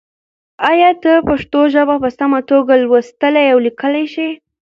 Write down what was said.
ایا ته پښتو ژبه په سمه توګه لوستلی او لیکلی شې؟